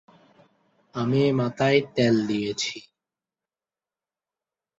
চৌধুরী বাংলাদেশ ও মধ্যপ্রাচ্য থেকে স্থাপত্যে স্নাতক করেন।